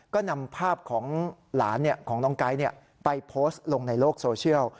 ก็นำภาพของหลานของน้องไก๊ไปโพสต์ลงในโลกโซเชียล